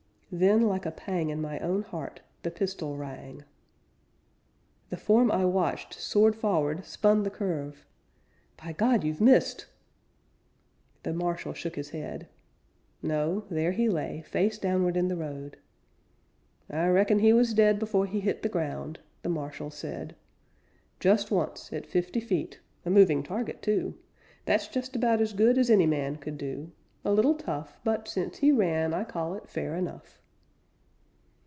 Then, like a pang In my own heart, The pistol rang. The form I watched soared forward, spun the curve. "By God, you've missed!" The Marshal shook his head. No, there he lay, face downward in the road. "I reckon he was dead Before he hit the ground," The Marshal said. "Just once, at fifty feet, A moving target too. That's just about as good As any man could do! A little tough; But, since he ran, I call it fair enough."